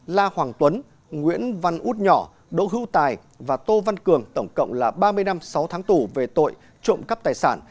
la hoàng tuấn nguyễn văn út nhỏ đỗ hữu tài và tô văn cường tổng cộng là ba mươi năm sáu tháng tù về tội trộm cắp tài sản